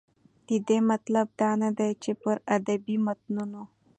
د دې مطلب دا نه دى، چې پر ادبي متونو